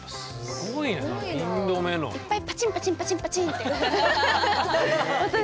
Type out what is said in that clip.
いっぱいパチンパチンパチンパチンって音して。